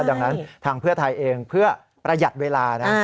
ดังนั้นทางเพื่อไทยเองเพื่อประหยัดเวลานะ